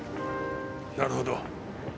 なるほど。